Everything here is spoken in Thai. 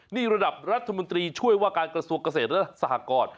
นี่ระดับรัฐมนตรีช่วยว่าการกระทรวงเกษตรและสหกร